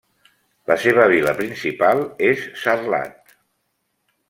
La seva vila principal és Sarlat.